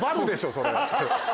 それ。